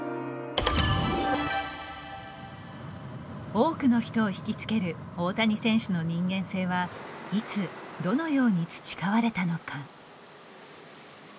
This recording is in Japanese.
多くの人を引き付ける大谷選手の人間性はいつどのように培われたのか。